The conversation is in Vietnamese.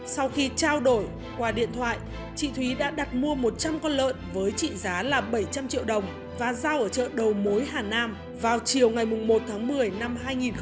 sau khi trao đổi qua điện thoại chị thúy đã đặt mua một trăm linh con lợn với trị giá là bảy trăm linh triệu đồng và giao ở chợ đầu mối hà nam vào chiều ngày một tháng một mươi năm hai nghìn một mươi bảy